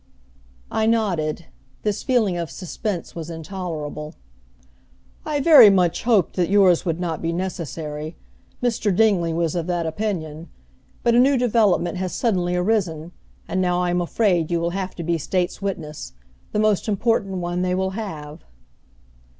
I nodded. This feeling of suspense was intolerable. "I very much hoped that yours would not be necessary. Mr. Dingley was of that opinion. But a new development has suddenly arisen, and now I am afraid you will have to be state's witness the most important one they will have."